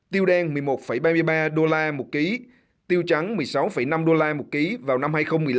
tiêu đen một mươi một ba mươi ba đô la một ký tiêu trắng một mươi sáu năm đô la một ký vào năm hai nghìn một mươi năm